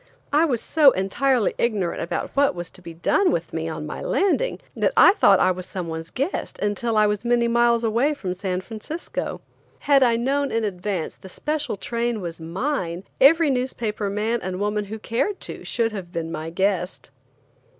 I was so entirely ignorant about what was to be done with me on landing, that I thought I was someone's guest until I was many miles away from San Francisco. Had I known in advance the special train was mine, every newspaper man and woman who cared to should have been my guest.